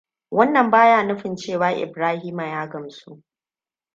Wannan ba ya nufin cewa Ibrahima ya gamsu.